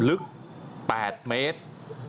ลึก๘เมตร